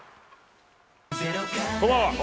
こんばんは。